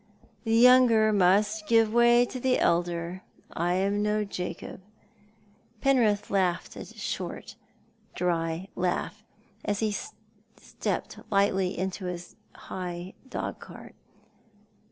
The younger must give way to the elder. I am no Jacob." Penrith laughed a dry, short laugh, as he stepped lightly into his high dog cart.